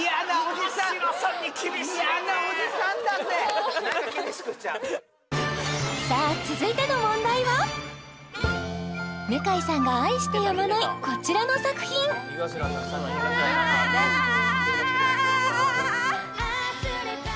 井頭さんに厳しいねなんか厳しくしちゃうさあ続いての問題は向井さんが愛してやまないこちらの作品わー！